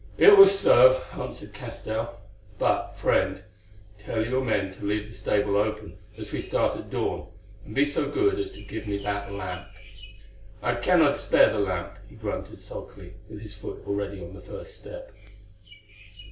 "It will serve," answered Castell; "but, friend, tell your men to leave the stable open, as we start at dawn, and be so good as to give me that lamp." "I cannot spare the lamp," he grunted sulkily, with his foot already on the first step.